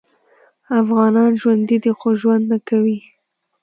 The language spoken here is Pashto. افغانان ژوندي دې خو ژوند نکوي